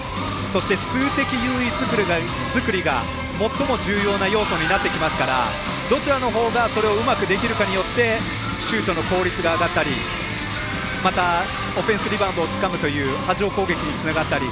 そして数的優位作りが最も重要な要素になってきますからどちらのほうがそれをうまくできるかによってシュートの効率が上がったりまた、オフェンスリバウンドをつかむという波状攻撃につながったり。